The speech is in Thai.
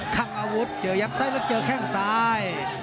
ขังอาวุธเจอยับไส้และเจอแก่งซ้าย